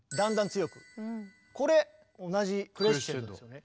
これ同じクレッシェンドですよね。